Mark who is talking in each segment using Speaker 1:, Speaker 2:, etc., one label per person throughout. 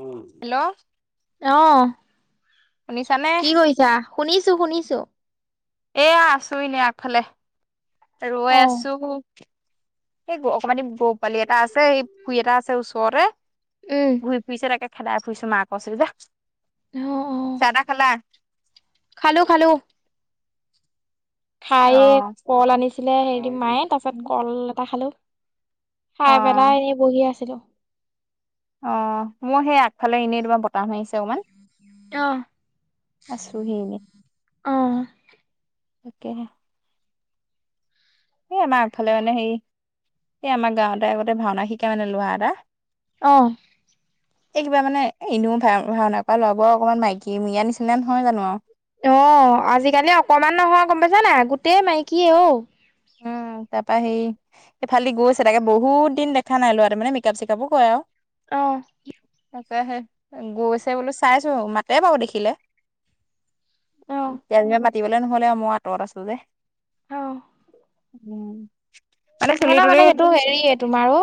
Speaker 1: উম, hello,
Speaker 2: আহ
Speaker 1: শুনিছানে?
Speaker 2: কি কৰিছা, শুনিছোঁ শুনিছোঁ
Speaker 1: এয়া আছো এনে আগফালে
Speaker 2: অ
Speaker 1: ৰৈ আছো সেই অকণমান গৰু পালি এটা আছে পুখুৰী এটা আছে ওচৰতে
Speaker 2: উম,
Speaker 1: ঘূৰি ফুৰিছে তাকে খেদাই ফুৰিছো মাক কৈছিল যে
Speaker 2: অ', অ',
Speaker 1: চা- তা খালা
Speaker 2: খালো, খালো তাইয়েক
Speaker 1: অ',
Speaker 2: কল আনিছিলে হেদিন মায়ে তা পিছত কল এটা খালো খায় পেলাই
Speaker 1: অ',
Speaker 2: এনেই বহি আছিলো
Speaker 1: অ', মোৰ সেই আগফালে এনেই তোমাৰ বতাহ মাৰিছে অকণমান
Speaker 2: আহ,
Speaker 1: আছোহি এনেই
Speaker 2: আহ
Speaker 1: তাকে সেই আমাৰ আগফালে মানে সেই ই আমাৰ গাঁৱতে আগতে ভাওনা শিকা মানে লৰা এটা
Speaker 2: অ',
Speaker 1: এই কিবা মানে এনেও ভা ভাওনা কৰা ল'ৰাবোৰ অকনমান মাইকী মীয়া নিচিনা নহয় জানো অ',
Speaker 2: অ', আজিকালি অকমান নোহোৱা গম পাইছা না নাই গোটেই মাইকী অঔ
Speaker 1: উম, তাৰ পৰা সেই ইফালি দি গৈছে তাকে বহুত দিন দেখা নাই ল'ৰাটো মানে মেকআপ-চেকাপো কৰে আৰু
Speaker 2: অ',
Speaker 1: তে সেই গৈছে বোলো চাই আছোঁ ও মাতে বাৰু দেখিলে
Speaker 2: অ',
Speaker 1: তেজে মাতিবলে নহলে মই আঁতৰত আছো যে
Speaker 2: অ',
Speaker 1: উম, চুলি
Speaker 2: হেনা
Speaker 1: তুলি
Speaker 2: মানে সেইটো
Speaker 1: একদম
Speaker 2: হেৰি তোমাৰো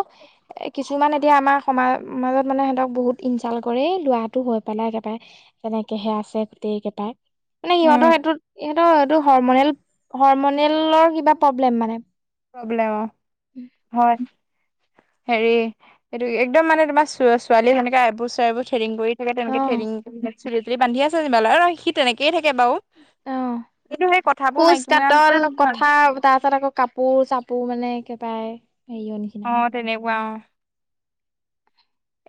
Speaker 2: কিছুমান এতিয়া আমাৰ সমাজত মানে সিহঁতক বহুত ইনচালত কৰেই লৰাটো কয় পেলাই একে বাই তাকেহে [unintelligible] আছে গোটেই কেইটাই মানে
Speaker 1: উম
Speaker 2: সিহঁতৰ সেইটোত ইহঁত- এইটো হৰমনেল- হৰমনেলৰ কিবা প্ৰব্লেম মানে
Speaker 1: প্ৰব্লেম [unintelligible] হয়। হেৰি, এইটো একদম মানে তোমাৰ ছোৱালী সেনেকা এবু চাইবু থ্ৰেডিং কৰি থাক তেনেকে
Speaker 2: অ',
Speaker 1: থ্ৰেডিং- চুলি তুলি বান্ধি আছে যেনিবা। আৰু সি তেনেকে থাকে বাৰু
Speaker 2: অ',
Speaker 1: কিন্তু সেই কথাবোৰ
Speaker 2: খোজ-
Speaker 1: মাইকী মৰা
Speaker 2: কাতল
Speaker 1: নিচিনা নহয়
Speaker 2: কথা তাৰ পিছত আকৌ কাপোৰ-চাপো পো মানে একেবাৰে হেৰিয়ৰ নিচিনা
Speaker 1: অ', তেনেকুৱা অ',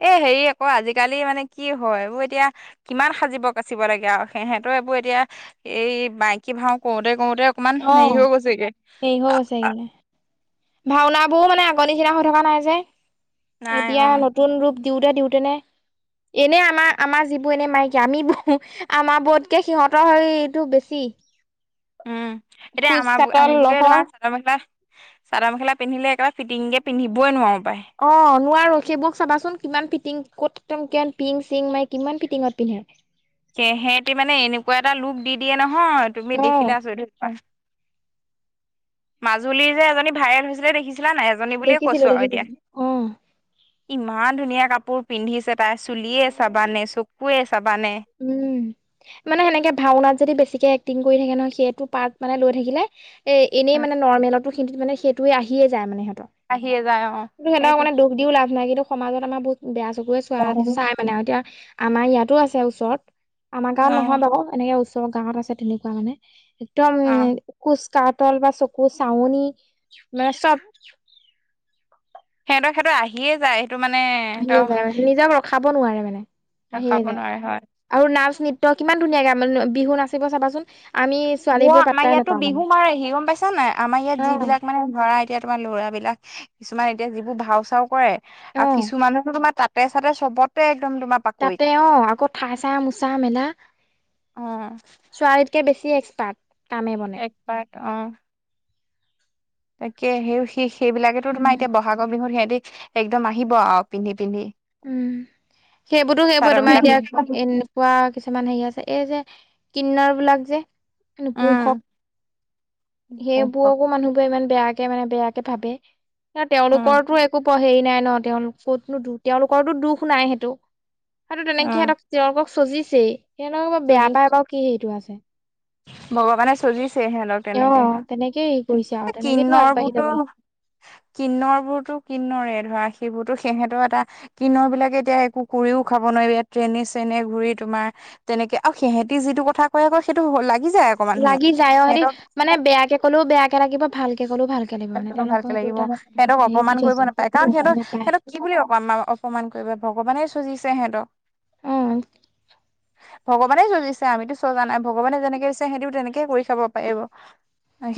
Speaker 1: এ হেৰি আকৌ আজিকালি মানে কি হয় এই এতিয়া কিমান সাজিব কাচিব লাগে আৰু সিহঁতে এইবোৰ এতিয়া এই মাইকী ভাও কৰোতে কৰোতে অকনমান হেৰি
Speaker 2: অ',
Speaker 1: হৈ গৈছেগে,
Speaker 2: হেৰি হৈ
Speaker 1: আ-আ-
Speaker 2: বৌ মানে আগৰ নিচিনা হৈ থকা নাই যে,
Speaker 1: নাই
Speaker 2: এতিয়া
Speaker 1: অ
Speaker 2: নতুন ৰূপ দিওতে-দিওঁতে নে এনে আমাৰ- আমাৰ যিবোৰ এনে মাইকী, আমি আমাৰ বোৰতকৈ সিহঁতৰ হেৰিটো বেছি। [inaudible]
Speaker 1: এতিয়া
Speaker 2: খোজ
Speaker 1: আমাৰ- আমাৰ
Speaker 2: কাতল
Speaker 1: আমি বোৰে
Speaker 2: লহৰ
Speaker 1: ধৰা চাদৰ- মেখেলা চাদৰ মেখেলা পিন্ধিলে। ফিটিংকে পিন্ধিবই নোৱাৰোঁ।
Speaker 2: অ নোৱাৰো। সেইবোৰক চাবাচোন কিমান ফিটিং ক'ত কে-কে পিন-চিন মাৰি কিমান ফিটিঙত পিন্ধে।
Speaker 1: সেহেতি মানে এনেকুৱা এটা লোক দি দিয়ে নহয় তুমি
Speaker 2: অ
Speaker 1: দেখিলে আচৰিত হৈ যাবা। মাজুলীৰ যে এজনী ভাইৰেল হৈছিলে দেখিছিলা? নাই-নাই এজনী বুলিয়ে
Speaker 2: দেখিছিলো
Speaker 1: কৈছো আৰু
Speaker 2: দেখিছিলো
Speaker 1: এতিয়া
Speaker 2: অ
Speaker 1: ইমান ধুনীয়া। কাপোৰ পিন্ধিছে তাই চুলিয়ে চাবানে, চকুৱে চাবানে,
Speaker 2: উম মানে সেনেকে ভাওনাত যদি বেছিকে এক্টিং কৰি থাকে নহয় সেইটো পাৰ্ট মানে লৈ থাকিলে। এনেই
Speaker 1: অ
Speaker 2: মানে নৰ্মেলতো সেইটো মানে সেইটোয়ে আহিয়ে যায় মানে কিন্তু
Speaker 1: আহিয়ে যায় অ
Speaker 2: সিহঁতক
Speaker 1: সেইটোৱে
Speaker 2: মানে দুখ দিও লাভ নাই কিন্তু। সমাজত আমাৰ বহুত বেয়া চকুৰে চোৱা
Speaker 1: অ
Speaker 2: চাই মানে আৰু এতিয়া আমাৰ ইয়াতো আছে ওচৰত। আমাৰ গাঁৱত নহয় বাৰু এনেকে ওচৰৰ গাঁৱত আছে তেনেকুৱা মানে
Speaker 1: অ
Speaker 2: একদম খোজ কা তল বা চকু চাৱনি মানে চব।
Speaker 1: সিহঁতৰ-সিহঁতৰ আহিয়ে যায় সেইটো মানে সিহঁতৰ
Speaker 2: খাব নোৱাৰে মানে
Speaker 1: ৰখাব
Speaker 2: আহিয়ে যায়
Speaker 1: নোৱাৰে হয়
Speaker 2: আৰু না। নৃত্য কিমান ধুনীয়াাকে মানে বিহু নাচিব চাবাচোন। আমি
Speaker 1: অ
Speaker 2: ছোৱালীবোৰে
Speaker 1: আমাৰ
Speaker 2: পাত্তাই
Speaker 1: ইয়াতো
Speaker 2: নাপাওঁ মানে
Speaker 1: বিহু মাৰেহি গম পাইছা নাই আমাৰ ইয়াত
Speaker 2: অ
Speaker 1: যিবিলাক মানে ধৰা, এতিয়া তোমাৰ লৰাবলাক কিছুমান এতিয়া যিবোৰ ভাও চাও কৰে
Speaker 2: অ
Speaker 1: আৰু কিছুমানেতো তোমাৰ তাতে-চাতে সব। বাপেক
Speaker 2: তাতে অ-আকৌ ঠাই চাই মোচা মেলা।
Speaker 1: অ
Speaker 2: ছোৱালীতকে বেছি এক্সপাৰ্ট কামে বনে।
Speaker 1: এক্সপাৰ্ট অ, তাকে সেই- সেইবিলাকেতো
Speaker 2: উম
Speaker 1: তোমাৰ এতিয়া বহাগৰ বিহুত সেই একদম আহিব আৰু পিন্ধি-পিন্ধি।
Speaker 2: উম, সেইবোৰতো সেইবোৰ তোমাৰ
Speaker 1: মেখেলা
Speaker 2: এতিয়া
Speaker 1: পিন্ধি
Speaker 2: এনেকুৱা কিছুমান হেৰি আছে এই যে, কিন্নাৰ বিলাক যে,
Speaker 1: উম
Speaker 2: নপুংসক, সেইবোৰকো মানুহবোৰে ইমান বেয়াকে মানে বেয়াকে ভাবে তেওঁলোকৰতো একো হেৰি নাই ন? তেওঁলো কতনো দোষ, তেওঁলোকৰটোো দোষ নাই সেইটো-সেইটো তেনেকে
Speaker 1: উম
Speaker 2: সিহঁতক তেওঁলোকক চজিছেই। সিহঁতক বেয়া পাই
Speaker 1: উম
Speaker 2: বাৰু কি হেৰিটো আছে।
Speaker 1: ভগৱানে চজিছে সিহঁতক
Speaker 2: অ
Speaker 1: তেনেকে।
Speaker 2: তেনেকেই হেৰি কৰিছে আৰু তেনেকেইতো
Speaker 1: কিন্নৰ
Speaker 2: আগবাঢ়ি
Speaker 1: বোৰতো,
Speaker 2: যাব
Speaker 1: কিন্নৰে বোৰতো, কিন্নৰেই ধৰা, সিহঁতৰ এটা কিন্নৰ বিলাকে এতিয়া একো কৰিও খাব নোৱাৰিব, ইয়াত ট্ৰেনে-চ্ৰেনে ঘূৰি তোমাৰ। তেনেকে আৰু সিহঁতি যিটো কথা কয় আক সেইটো লাগি যায় আকৌ মানুহ
Speaker 2: লাগি যায় অ হেৰি
Speaker 1: সিহঁতক
Speaker 2: মানে বেয়াকে ক'লেও বেয়াকে লাগিব ভাল। কালি মই মানে
Speaker 1: সিহঁতক ভালকে লাগিব সিহঁতক
Speaker 2: হেৰি দি
Speaker 1: অপমান কৰিব
Speaker 2: থৈছে
Speaker 1: নাপায় কাৰণ সিহঁতৰ
Speaker 2: নাপায়
Speaker 1: সিহত কি বুলি অপমান কৰিব ভগৱান। এই চজিছে সিহতক।
Speaker 2: অহ,
Speaker 1: ভগৱানে সজিছে আমিতো চজা নাই ভগৱানে যেনেকে দিছে সেইটো তেনেকে কৰি খাব পাৰিব।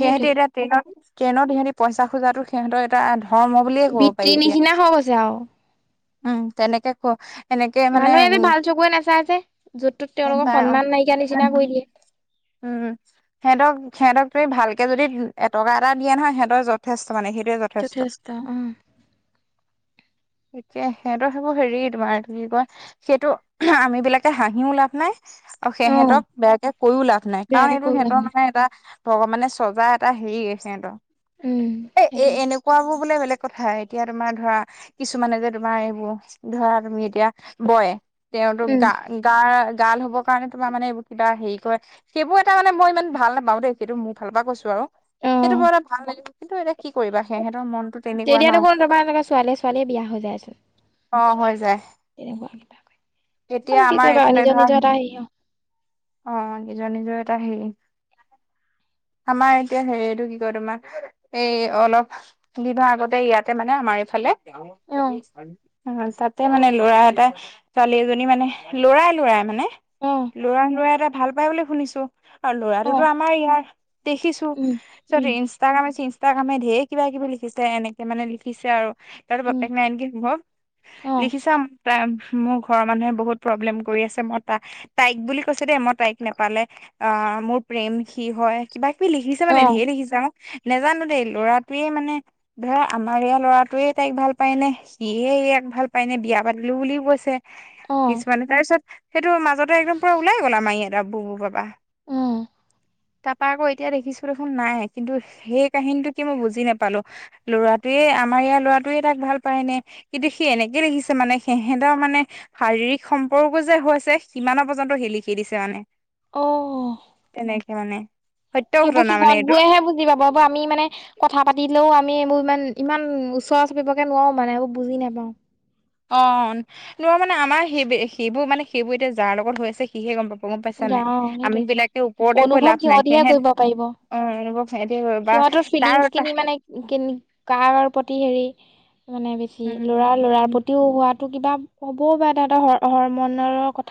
Speaker 1: সিহঁতি এতি ট্ৰেইন-ট্ৰেইনত সিহঁতি পইচা খোজাটো সিহতৰ এটা আ', ধৰ্ম বুলিয়ে কব পাৰি
Speaker 2: বৃত্তিৰ
Speaker 1: এতিয়া
Speaker 2: নিচিনা হৈ গৈছে আৰু
Speaker 1: উম, তেনেকে ক। এনেকে মানে
Speaker 2: মানুহে এ যে
Speaker 1: উম
Speaker 2: ভাল চকুৰে নাচাইছে য'ত তত তেওঁলোকক
Speaker 1: চাই অ
Speaker 2: সন্মান নাইকিয়া নিচিনা কৰি দিয়ে। [unintelligible]
Speaker 1: উম, সিহঁতক-সিহঁতক তু ভালকে যদি এটকা এটা দিয়া নহয় সিহঁতৰ যথেষ্ট। মানে সেইটোৱে যথেষ্ট।
Speaker 2: [unintelligible]
Speaker 1: এতিয়া সিহঁতৰ সেইবোৰ হেৰি তোমাৰ কি কয় সেইটো আমি বিলাকে হাঁহিও লাভ নাই আৰু
Speaker 2: অ',
Speaker 1: সিহঁতক বেয়াকে কৈও লাভ নাই কাৰণ
Speaker 2: বেয়াকে
Speaker 1: এইটো
Speaker 2: কৈ লাভ
Speaker 1: সিহঁতৰ
Speaker 2: নাই
Speaker 1: মানে এটা ভগৱানে চজা এটা হেৰি আছে সিহঁতৰ
Speaker 2: উম,
Speaker 1: এই-এই
Speaker 2: সেইটোয়ে
Speaker 1: এনেকুৱাবোৰ বোলে বেলেগ কথা এতিয়া তোমাৰ ধৰা কিছুমানে যে তোমাৰ এইবোৰ ধৰা তুমি এতিয়া বয় তেওঁতো
Speaker 2: উম,
Speaker 1: গা-গা গাৰ্ল হ'বৰ কাৰণে তোমাৰ মানে এইবোৰ কিবা হেৰি কৰে সেইবোৰ এটা মানে মই ইমান ভাল নাপাওঁ দেই সেইটো মোৰ ফালৰ পৰা কৈছোঁ আৰু সেইটো
Speaker 2: অ',
Speaker 1: বোৰ এটা ভাল নেদেখোঁ কিন্তু এতিয়া কি কৰিবা সিহঁতৰ মনটো তেনেকুৱা
Speaker 2: তেতিয়া
Speaker 1: ন
Speaker 2: দেখোন তোমাৰ এনেকা ছোৱালীয়ে-ছোৱালীয়ে বিয়া হৈ যায়চোন।
Speaker 1: অ' হৈ যায়।
Speaker 2: এনেকুৱা [unintelligible]
Speaker 1: এতিয়া
Speaker 2: এইবোৰ কে কৰিবা আৰু নিজৰ-নিজৰ এটা হেৰি ন'।
Speaker 1: অ'-অ' নিজৰ-নিজৰ এটা হেৰি।
Speaker 2: [unintelligible]
Speaker 1: আমাৰ এতিয়া হেৰিটো কি কয় তোমাৰ এই অলপ দিনৰ আগতে ইয়াতে মানে আমাৰ এইফালে
Speaker 2: অ',
Speaker 1: [unintelligible] মানে ল'ৰা এটা ছোৱালী এজনী মানে ল'ৰাই-ল'ৰাই মানে
Speaker 2: অ',
Speaker 1: ল'ৰা সিহঁতে ভাল পাই বুলি শুনিছোঁ। আৰু ল'ৰাটোতো
Speaker 2: অ',
Speaker 1: আমাৰ ইয়াৰ দেখিছোঁ
Speaker 2: উম,
Speaker 1: পিছত
Speaker 2: উম,
Speaker 1: ইনষ্টাগ্ৰামে চিনষ্টা ইনষ্টগ্ৰমে ঢেৰ কিবা কিবি লিখিছে এনেকে মানে লিখিছে আৰু লৰাটোৰ
Speaker 2: উম,
Speaker 1: বাপেক নাই নেকি সম্ভৱ
Speaker 2: অ',
Speaker 1: লিখিছাম মোৰ ঘৰৰ মানুহে বহুত প্ৰব্লেম কৰি আছে মই তাক তাইক বুলি কৈছে দেই মই তাইক নেপালে অ মোৰ প্ৰেম সি হয় কিবা কিবি লিখিছে মানে
Speaker 2: অ',
Speaker 1: ঢেৰ লিখিছো অ নোজানো দেই ল'ৰাটোৱে মানে ধৰা আমাৰ ইয়াৰ ল'ৰাটোৱে তাইক ভাল পায় নে সিয়ে সিয়ে এয়াক ভাল পায় নে বিয়া পাতিলো বুলিও কৈছে
Speaker 2: অ',
Speaker 1: কিছুমানে তাৰ পিছত সেইটো মাজতে একদম পুৰা ওলাই গ'লা আমাৰ ই এটা বুব বাবা
Speaker 2: উম,
Speaker 1: তাপা আকৌ এতিয়া দেখিছো দেখোন নাই কিন্তু সেই কাহিনীটো কি মই বুজি নাপালো লৰাটোৱে সিয়ে আমাৰ ইয়াৰ ল'ৰাটোৱে তাক ভাল পায় নে কিন্তু সি এনেকে লিখিছে মানে সিহঁতৰ মানে শাৰীৰিক সম্পৰ্কও যে হৈছে সিমান পৰ্য্যন্ত সি লিখি দিছে মানে
Speaker 2: অ',
Speaker 1: তেনেকে মানে সত্য
Speaker 2: সেইবোৰ
Speaker 1: ঘটনা মানে
Speaker 2: সিহঁত
Speaker 1: এইটো
Speaker 2: বোৰেহে বুজি পাব আ আমি মানে কথা পাতিলেও আমি এইবোৰ ইমান ইমান ওচৰ চাপিবকে নোৱাৰো মানে এইবোৰ বুজি নোপাওঁ
Speaker 1: অ লৰা মানে আমাৰ সেই সেইবোৰ মানে সেইবোৰ এতিয়া যাৰ লগত হৈ আছে সিহে গম পাব গম পাইছা নাই
Speaker 2: অ', সেইটোৱে
Speaker 1: আমি বিলাকে ওপৰতে কৈ লাভ নাই সেহেত অ অনুভৱ বা
Speaker 2: সিহতৰ ফিলিংচ
Speaker 1: তাৰ
Speaker 2: খিনি মানে কাৰ প্ৰতি হেৰি মানে বেছি ল'ৰাৰ লৰাৰ
Speaker 1: উম
Speaker 2: প্ৰতিও হোৱাটো কিবা ক'বও পাৰে তাহতৰ হৰ মনৰ কথ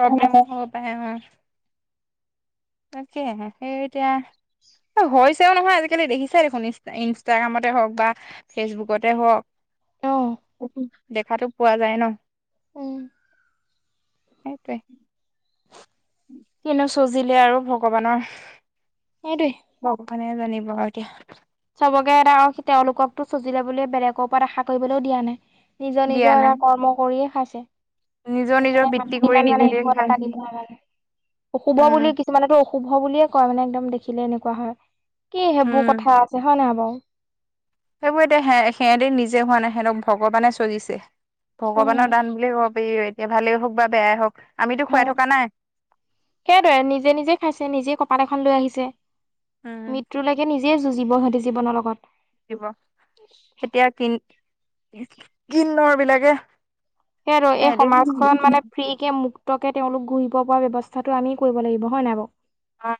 Speaker 1: প্ৰব্লেম হব পায় অ তাকেহে সেই এতিয়া হৈছেও নহয় আজিকালি দেখিছোই দেখোন ইনষ্টাগ্ৰামতে হওক বা ফেচবুকতে হওক
Speaker 2: অ
Speaker 1: দেখাতো পোৱা যায় ন
Speaker 2: উম
Speaker 1: সেইটোৱে কিনে চজিলে আৰু ভগৱানৰ।
Speaker 2: সেইটোৱে
Speaker 1: মৈনে জানিব আৰু এতিয়া
Speaker 2: চবকে এটা তেওঁলোককো চজিলে বুল বেলেগকৰ ওপৰত আশা কৰিবলৈও দিয়া নাই। নিজৰ
Speaker 1: দিয়া
Speaker 2: নিজৰ এটা
Speaker 1: নাই
Speaker 2: কৰ্ম কৰিয়ে খাইছে।
Speaker 1: নিজৰ নিজৰ
Speaker 2: সেইকাৰণে
Speaker 1: বৃত্তি
Speaker 2: মানুহে
Speaker 1: কৰি
Speaker 2: ইমান মানে
Speaker 1: নিজে নিজে খাই
Speaker 2: কান্দিব নে অশুভ বুলি
Speaker 1: উম
Speaker 2: কিছুমানে অ শুভ বুলিয়ে কয় মানে একদম দেখিলে এনেকুৱা হয় কি সেইবোৰ
Speaker 1: উম
Speaker 2: কথা নাই বাৰু।
Speaker 1: সেইবোৰ এতিয়া সে সেতি নিজে হোৱা নাই সিহঁতক ভগৱানে চজিছে
Speaker 2: উম
Speaker 1: ভগৱানৰ দান বুলিয়ে কব ই এতিয়া ভালেই হওক বা বেয়াই হওক। আমিতো খুৱাই
Speaker 2: হয়
Speaker 1: থকা নাই
Speaker 2: সেইদৰে নিজে নিজে খাইছে নিজে কপাল এখন লৈ আহিছে।
Speaker 1: উম
Speaker 2: মৃত্যুলৈকে নিজে যুজিব সতী জীৱনৰ লগত
Speaker 1: কিব এতিয়া কিন কিন নৰবিলাকে
Speaker 2: সে আৰু এই সমাজখন মানে ফ্ৰী কে মুক্ত তকে তেওঁলোক ঘূৰিব পৰা ব্যৱস্থাটো আমি কৰিব লাগিব হয় নাই বাও।
Speaker 1: অ।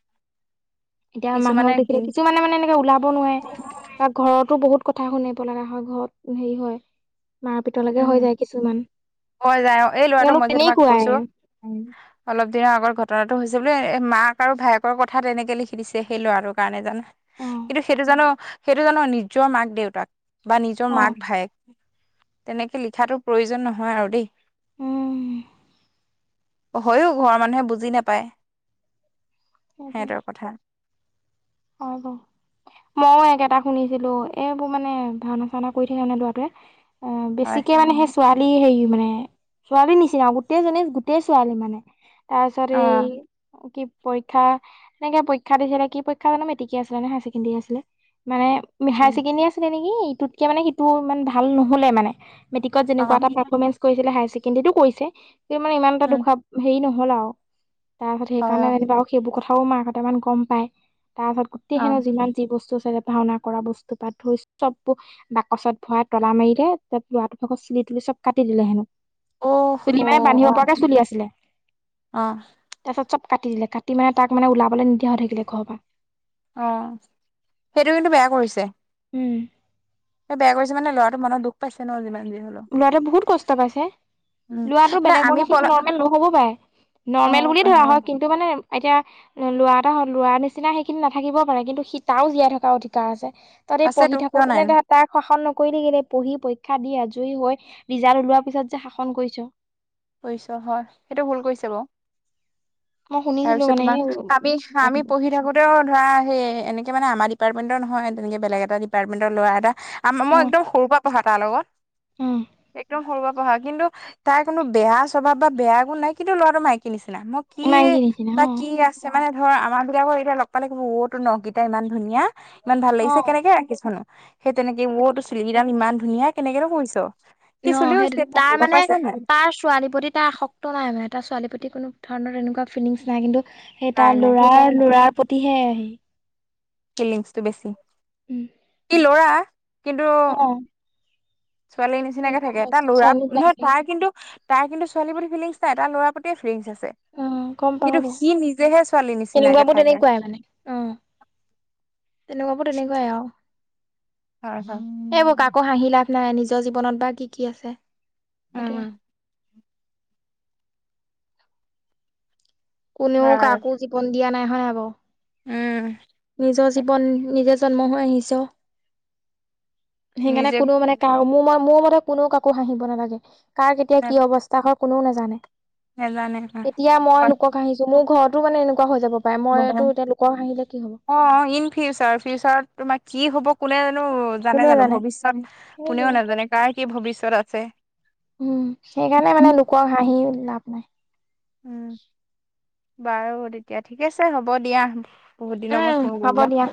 Speaker 2: এতিয়া
Speaker 1: কিছুমানে
Speaker 2: মানুহক দেখিলে
Speaker 1: কিন
Speaker 2: কিছুমানে মানে এনেকে ওলাব নোৱাই বা ঘৰতো বহুত কথা শুনিব লগা হয় ঘৰত হেৰি হয় মাৰ পিতৰলৈকে হৈ যায় কিছুমান।
Speaker 1: হয় যাই অ এই ল'ৰাটো
Speaker 2: তেওঁলোক
Speaker 1: মই যে তোমাক
Speaker 2: তেনেকুৱাই
Speaker 1: কৈছো উ অলপ দিনৰ আগত ঘটনাটো হৈছে। বোলে মাক আৰু ভায়েকৰ কথা তেনেকে লিখি দিছে সেই ল'ৰাটোৰ কাৰণে জানে
Speaker 2: অ
Speaker 1: কিন্তু সেইটো জানো সেইটো জানো নিজৰ মাক দেউতাক বা নিজৰ
Speaker 2: অ
Speaker 1: মাক ভায়েক তেনেকে লিখাতো প্ৰয়োজন নহয় আৰু দেই।
Speaker 2: উম
Speaker 1: হয়ো ঘৰৰ মানুহে বুজি নাপায় সেহঁতৰ কথা।
Speaker 2: অ ব। মই একেটা শুনিছিলো এইবোৰ মানে ভাওনা চাওনা কৰি থাকে ন লৰাটোৱে। অ
Speaker 1: হয়
Speaker 2: বেছিকে মানে সেই ছোৱালী সেই মানে ছোৱালী নিচিনা গোটেইজনী গোটেই ছোৱালী মানে। তাৰ পিছতে
Speaker 1: অ অ
Speaker 2: কি পৰীক্ষা এনেকে পৰীক্ষা দিছিলে কি পৰীক্ষ ক্ষা না মেট্ৰিকীয়া আছিলে নে চেকেণ্ডেৰী আছিলে মানে চেকেণ্ডেৰী আছিলে নে ই ইটোতকে মানে সিটো ইমান ভাল নহলে মানে মেট্ৰিকত যেনেকুৱা এটা প্ৰাফেমেনছ কৰিছিলে হাই চেকে কিন্তেটো কৰিছে, কি মানে ইমান এটা দু
Speaker 1: উম
Speaker 2: খাব হেৰি নহল আও। তাহত
Speaker 1: হয়
Speaker 2: সেইকাৰণে যেনিবা আৰু সেইবোৰ কথাও মাহঁতে গম মান গম পায়। তাৰ পাছত গোটেই
Speaker 1: অ অ
Speaker 2: হেনো যিমান যি বস্তু আছে ভাওনা কৰা বস্তু পাত ধই চবোৰ বাকচত ভৰাই তলা মাৰিলে তাত লৰাটোৰ ভাগত চুলি তুলি চব কাটি দিলে হেনো
Speaker 1: অ'
Speaker 2: চুলি
Speaker 1: হ'
Speaker 2: মানে বান্ধিব
Speaker 1: অ
Speaker 2: পৰাকে চুলি আছিলে
Speaker 1: অ
Speaker 2: তাৰপিছত চব কাটি দিলে কাটি মানে তাক মানে ওলাবলে নিদিয়া হৈ থাকিলে ঘৰৰ পৰা
Speaker 1: অ সেইটো কিন্তু বেয়া কৰিছে
Speaker 2: উম
Speaker 1: সেই বেয়া কৰিছে মানে লৰাটো মনত দুখ পাইছে ন যিমান যি হলেও।
Speaker 2: লৰাৱে বহুত কষ্ট পাইছে
Speaker 1: উম,
Speaker 2: লৰাটো
Speaker 1: নাই আমি
Speaker 2: বেলেগণী
Speaker 1: পল
Speaker 2: খিনি নৰ্মেল নহ'ব পাৰে নৰ্মেল
Speaker 1: নহ'ব
Speaker 2: বুলিয়ে
Speaker 1: পাৰে
Speaker 2: ধৰা
Speaker 1: অ,
Speaker 2: হয় কিন্তু মানে এতিয়া ল'ৰা এটা হ'ললৰা নিচিনা সেইখিনি নাথাকিবও পাৰে কিন্তু সি তাও জীয়াই থকাৰ অধিকাৰ আছে তহতি পঢ়ি
Speaker 1: আছেতো কিয়
Speaker 2: থাকো
Speaker 1: নাই
Speaker 2: তেনে তাক শাসন নকৰিলি কেলে পঢ়ি পৰীক্ষা দি আজ জৰি হৈ ৰিজাল্ট ওলোৱাৰ পিছত যে শাসন কৰিছ
Speaker 1: কৰিছ হয় সেইটো ভুল কৰিছে বাও
Speaker 2: মই শুনিছিলো
Speaker 1: তাৰপিছত
Speaker 2: মানে
Speaker 1: তোমাৰ
Speaker 2: এই
Speaker 1: আমি আমি পঢ়ি থাকোতেও ধৰা সেই এনে কে মানে আমাৰ ডিপাৰ্টমেণ্টৰ নহয়। তেনেকে বেলেগ এটা ডিপ্টমেণ্টৰ‌ লৰা এটা আম
Speaker 2: অ
Speaker 1: মই একদম সৰুৰ পৰা পঢ়া তাৰ লগত।
Speaker 2: অ
Speaker 1: একদম সৰুৰে পঢ়া, কিন্তু তাই কোনো বেয়া স্বভাৱ বা বেয়া গুণ নাই। কিন্তু ল'ৰাটো মাইকী নিচিনা। মই কি
Speaker 2: মাইকী নিচিনা
Speaker 1: তাক
Speaker 2: অ
Speaker 1: কি আছে। মানে ধৰ আমাৰ বিলাকৰ এতিয়া লগ পালে কব অ টোৰ নখ কেইতা ইমান ধুনীয়া, ইমান ভাল,
Speaker 2: অ
Speaker 1: লাগিছে কেনেকে ৰাখিছোনো? সেই তেনেকে ৱ টো চুলি কেইডাল ইমান ধুনীয়া কেনেকে নহ কৰিছ? সি
Speaker 2: অ,
Speaker 1: চুলিও
Speaker 2: সেইটো
Speaker 1: ষ্ট্ৰেট
Speaker 2: তাৰ
Speaker 1: কৰে গম
Speaker 2: মানে
Speaker 1: পাইছা নাই
Speaker 2: তাৰ ছোৱালী। প্ৰতি এটা আসক্ত নাই মানে। এটা ছোৱালীৰ প্ৰতি কোনো ধৰণৰ তেনেকুৱা ফিলিংছ নাই। কিন্তু সেই,
Speaker 1: নাই
Speaker 2: তাৰ
Speaker 1: নাই
Speaker 2: লৰাৰ- লৰাৰ প্ৰতিহে আৰ্হি
Speaker 1: কিলিংছটো বেছি।
Speaker 2: উম।
Speaker 1: সি ল'ৰা। কিন্তু
Speaker 2: অ',
Speaker 1: ছোৱালী নিচিনাকে
Speaker 2: গম
Speaker 1: থাকে। তা
Speaker 2: পাইছো
Speaker 1: ল'ৰা
Speaker 2: ছোৱালী
Speaker 1: নহয়
Speaker 2: লাগে
Speaker 1: তাৰ কিন্তু তাৰ কিন্তু ছোৱালী প্ৰতি ফিলিংছ নাই তাৰ ল'ৰা প্ৰতিয়ে ফিলিংছ আছে।
Speaker 2: উ, গম পাও
Speaker 1: কিন্তু
Speaker 2: বাৰু।
Speaker 1: সি নিজেহে ছোৱালীৰ নিচিনাকে
Speaker 2: এনেকুৱাবোৰ
Speaker 1: থাকে
Speaker 2: তেনেকুৱাই মানে, অ। তেনেকুৱাবোৰ তেনেকুৱাই আৰু।
Speaker 1: হয়- হয়
Speaker 2: এইবোৰ কাকো হাঁহি লাভ নাই, নিজৰ জীৱনত বা কি কি আছে? সেইটোৱে।
Speaker 1: উম
Speaker 2: কোনেও
Speaker 1: ভাল।
Speaker 2: কাকো জীৱন দিয়া নাই হয় নাই বাও।
Speaker 1: উম।
Speaker 2: নিজৰ জীৱন নিজে জন্ম হৈ আহিছ। সেইকাৰণে
Speaker 1: নিজে
Speaker 2: কোনো মানে, কাকো মোৰ মোৰ মতে কোনেও কাকো হাঁহিব নালাগে। কাৰ কেতিয়া কি
Speaker 1: নাজানে
Speaker 2: অৱস্থা হয় কোনেও নাজানে।
Speaker 1: নাজানে হয়।
Speaker 2: এতিয়া মই লোকক হাঁহিছো। মোৰ ঘৰতো মানে এনেকুৱা হৈ যাব। পাই মইটো এতিয়া লোকক হাঁহিলে কি হ'ব?
Speaker 1: অ, ইন ফিউচাৰ -ফিউচাৰত তোমাৰ কি হ'ব কোনেনো জানে জানো? ভৱিষ্যত কোনেও
Speaker 2: সেইটোৱে
Speaker 1: নাজানে। কাৰ কি ভৱিষ্যত আছে।
Speaker 2: উম, সেইকাৰণে মানে লোকক হাঁহি লাভ নাই।
Speaker 1: উম, বাৰু তেতিয়া ঠিক আছে হ'ব দিয়া। বহুত দিনৰ
Speaker 2: উম
Speaker 1: মূৰত ফোন
Speaker 2: হ'ব
Speaker 1: কৰিলা
Speaker 2: দিয়া।